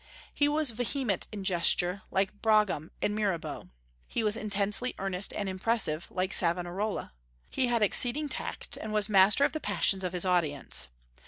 He was vehement in gesture, like Brougham and Mirabeau. He was intensely earnest and impressive, like Savonarola. He had exceeding tact, and was master of the passions of his audience.